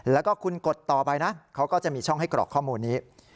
แล้วก็คุณกดต่อไปนะเขาก็จะมีช่องให้กรอกข้อมูลนี้